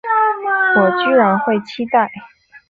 我居然会期待